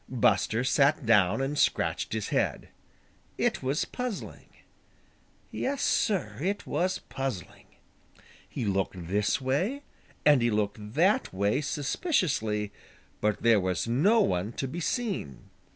Buster sat down and scratched his head. It was puzzling. Yes, Sir, it was puzzling. He looked this way and he looked that way suspiciously, but there was no one to be seen.